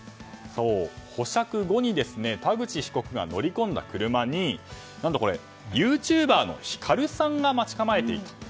保釈後に田口被告が乗り込んだ車に何とユーチューバーのヒカルさんが待ち構えていたと。